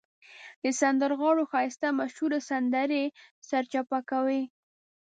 د سندرغاړو ښایسته مشهورې سندرې سرچپه کوي.